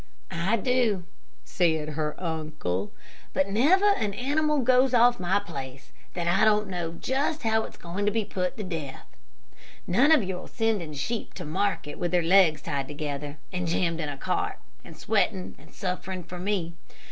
"I do," said her uncle; "but never an animal goes off my place that I don't know just how it's going to be put to death. None of your sending sheep to market with their legs tied together, and jammed in a cart, and sweating and suffering for me.